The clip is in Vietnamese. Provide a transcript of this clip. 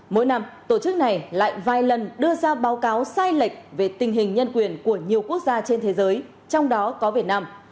mỗi năm tổ chức này lại vài lần đưa ra báo cáo sai lệch về tình hình nhân quyền của nhiều quốc gia trên thế giới trong đó có việt nam